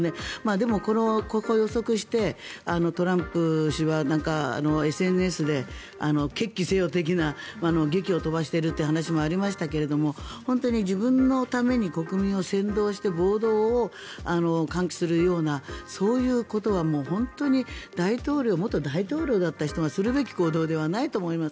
でも、ここを予測してトランプ氏はＳＮＳで決起せよ的な檄を飛ばしているという話もありましたが本当に自分のために国民を扇動して暴動を喚起するようなそういうことはもう本当に元大統領だった人がするべき行動ではないと思います。